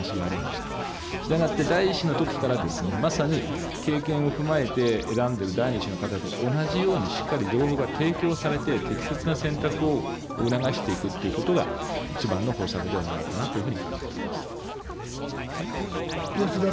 したがって第１子のときからまさに経験を踏まえて選んでる第２子の方と同じようにしっかり情報が提供されて、適切な選択を促していくということが、一番の方策ではないかなというふうに考えてお吉田